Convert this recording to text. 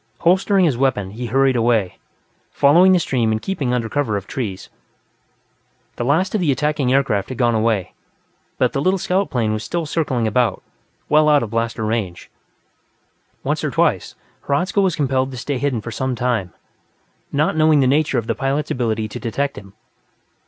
Holstering his weapon, he hurried away, following the stream and keeping under cover of trees. The last of the attacking aircraft had gone away, but the little scout plane was still circling about, well out of blaster range. Once or twice, Hradzka was compelled to stay hidden for some time, not knowing the nature of the pilot's ability to detect him.